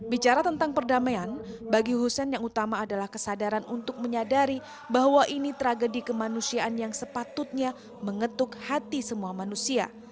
bicara tentang perdamaian bagi hussein yang utama adalah kesadaran untuk menyadari bahwa ini tragedi kemanusiaan yang sepatutnya mengetuk hati semua manusia